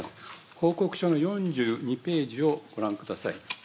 報告書の４２ページをご覧ください。